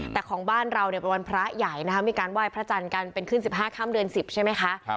แต่ของบ้านเราเป็นวันพระใหญ่นะคะมีการไหว้พระจันทร์กันเป็นขึ้น๑๕ค่ำเดือน๑๐ใช่ไหมคะ